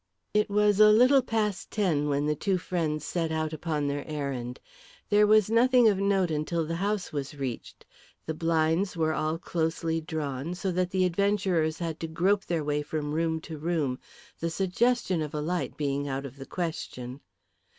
It was a little past ten when the two friends set out upon their errand. There was nothing of note until the house was reached. The blinds were all closely drawn, so that the adventurers had to grope their way from room to room, the suggestion of a light being out of the question.